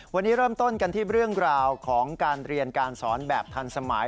วันนี้เริ่มต้นกันที่เรื่องราวของการเรียนการสอนแบบทันสมัย